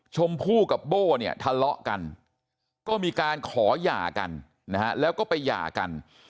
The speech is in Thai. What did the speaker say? ชมพู่กับโบ้เนี่ยทะเลาะกันก็มีการขอหย่ากันนะฮะแล้วก็ไปหย่ากัน